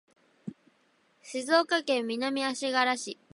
静岡県南足柄市